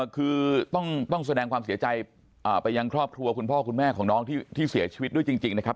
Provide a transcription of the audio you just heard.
คือต้องแสดงความเสียใจไปยังครอบครัวคุณพ่อคุณแม่ของน้องที่เสียชีวิตด้วยจริงนะครับ